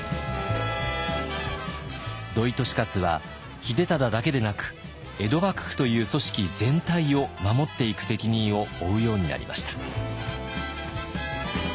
土井利勝は秀忠だけでなく江戸幕府という組織全体を守っていく責任を負うようになりました。